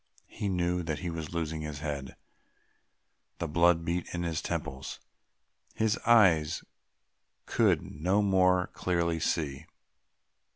He knew that he was losing his head, the blood beat in his temples, his eyes could no more clearly see....